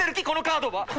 このカードは。